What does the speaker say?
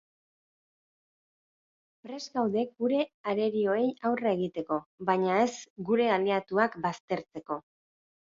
Prest gaude gure arerioei aurre egiteko, baina ez gure aliatuak baztertzeko.